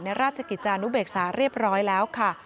ราชกิจจานุเบกษาเรียบร้อยแล้วค่ะ